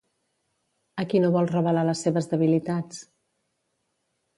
A qui no vol revelar les seves debilitats?